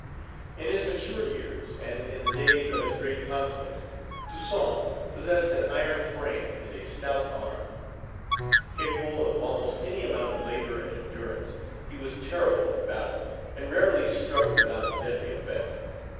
In his mature years, and in the days of his great conflict, Toussaint possessed an iron frame and a stout arm. Capable of almost any amount of labor and endurance, he was terrible in battle, and rarely struck without deadly effect.